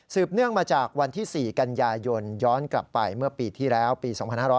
เนื่องมาจากวันที่๔กันยายนย้อนกลับไปเมื่อปีที่แล้วปี๒๕๕๙